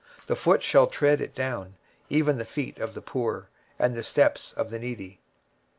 23:026:006 The foot shall tread it down, even the feet of the poor, and the steps of the needy.